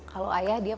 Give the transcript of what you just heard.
kalau ayah dia paham